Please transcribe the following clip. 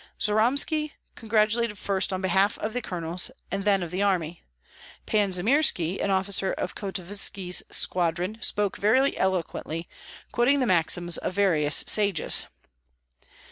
Jyromski congratulated first on behalf of the colonels, and then of the army. Pan Jymirski, an officer of Kotovski's squadron, spoke very eloquently, quoting the maxims of various sages.